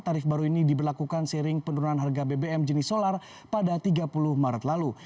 tarif baru ini diberlakukan seiring penurunan harga bbm jenis solar pada tiga puluh maret lalu